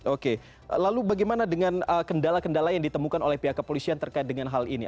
oke lalu bagaimana dengan kendala kendala yang ditemukan oleh pihak kepolisian terkait dengan hal ini